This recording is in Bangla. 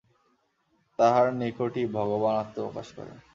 তাহার নিকটই ভগবান আত্মপ্রকাশ করেন।